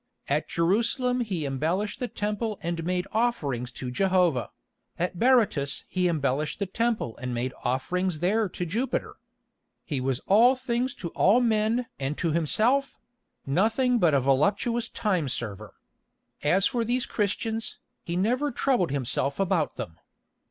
At Jerusalem he embellished the Temple and made offerings to Jehovah; at Berytus he embellished the temple and made offerings there to Jupiter. He was all things to all men and to himself—nothing but a voluptuous time server. As for these Christians, he never troubled himself about them.